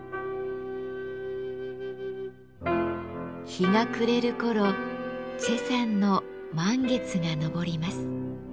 日が暮れる頃崔さんの満月が昇ります。